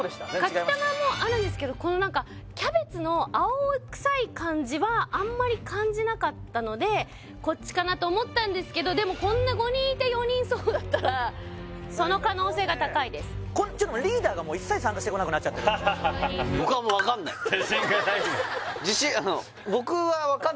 かきたまもあるんですけどこの何かキャベツの青臭い感じはあんまり感じなかったのでこっちかなと思ったんですけどでもこんな５人いて４人そうだったらその可能性が高いですリーダーがもう一切参加してこなくなっちゃってる僕はもう分かんない自信がない自信うん